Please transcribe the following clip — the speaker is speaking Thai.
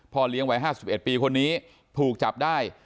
เลี้ยงวัย๕๑ปีคนนี้ถูกจับได้